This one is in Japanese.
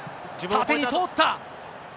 縦に通った。